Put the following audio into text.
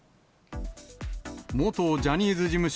元ジャニーズ事務所